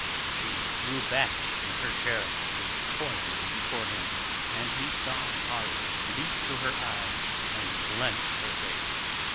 She drew back into her chair, recoiling before him, and he saw horror leap to her eyes and blench her face.